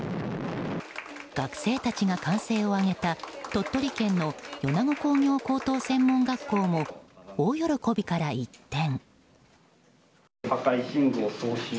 学生たちが歓声を上げた鳥取県の米子工業高等専門学校も大喜びから一転。